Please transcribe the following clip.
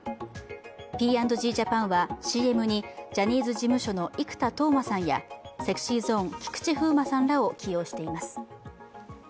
Ｐ＆ＧジャパンはＣＭにジャニーズ事務所の生田斗真さんやＳｅｘｙＺｏｎｅ・菊池風磨さんらを起用しています。